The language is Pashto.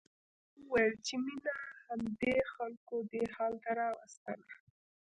پلار وویل چې مينه همدې خلکو دې حال ته راوستله